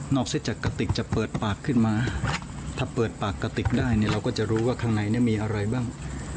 เสร็จจากกะติกจะเปิดปากขึ้นมาถ้าเปิดปากกระติกได้เนี่ยเราก็จะรู้ว่าข้างในมีอะไรบ้าง